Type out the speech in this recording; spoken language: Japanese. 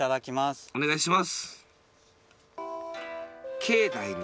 はいお願いします